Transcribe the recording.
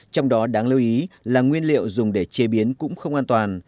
trong đó đáng lưu ý là nguyên liệu dùng để chế biến cũng không an toàn